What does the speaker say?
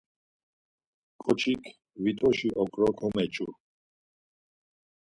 Ǩoçik vitoşi okro komeçu.